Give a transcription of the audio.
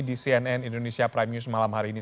di cnn indonesia prime news malam hari ini